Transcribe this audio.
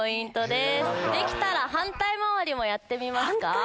できたら反対回りもやってみますか。